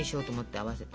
合わせて。